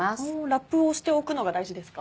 ラップをしておくのが大事ですか？